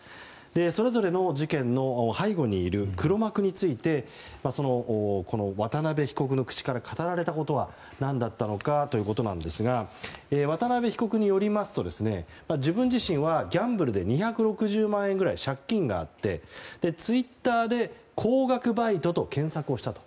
それぞれの事件の背後にいる黒幕について渡邉被告の口から語られたのは何だったのかということですが渡邉被告によりますと自分自身はギャンブルで２６０万円くらい借金があってツイッターで高額バイトと検索したと。